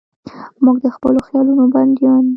موږ د خپلو خیالونو بندیان یو.